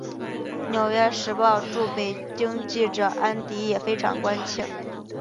纽约时报驻北京记者安迪也非常关切。